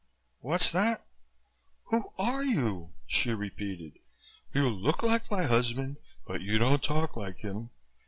"What's that?" "Who are you?" she repeated. "You look like my husband but you don't talk like him.